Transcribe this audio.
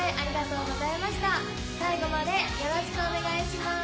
最後までよろしくお願いします。